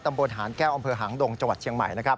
ตำบลหานแก้วอำเภอหางดงจังหวัดเชียงใหม่